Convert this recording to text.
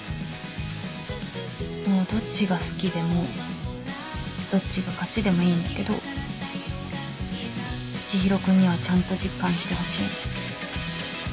もうどっちが好きでもどっちが勝ちでもいいんだけど知博君にはちゃんと実感してほしい。